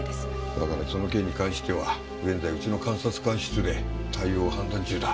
だからその件に関しては現在うちの監察官室で対応を判断中だ。